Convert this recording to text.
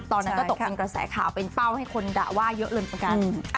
ตอนนั้นก็ตกเป็นกระแสข่าวเป็นเป้าให้คนด่าว่าเยอะเลยประกัน